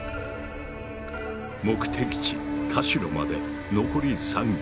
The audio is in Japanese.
目的地・田代まで残り３ｋｍ。